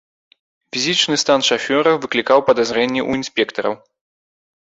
Фізічны стан шафёра выклікаў падазрэнні ў інспектараў.